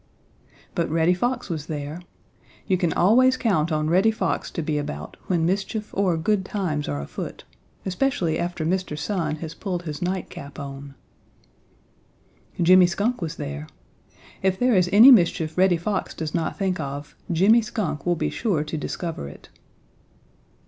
But Reddy Fox was there. You can always count on Reddy Fox to be about when mischief or good times are afoot, especially after Mr. Sun has pulled his nightcap on. Jimmy Skunk was there. If there is any mischief Reddy Fox does not think of Jimmy Skunk will be sure to discover it.